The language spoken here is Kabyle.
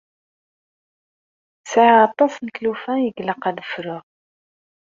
Sɛiɣ aṭas n tlufa i ilaq ad fruɣ.